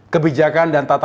kebijakan dan kesatuan